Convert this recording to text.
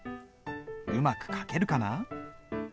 うまく書けるかな？